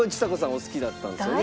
お好きだったんですよね？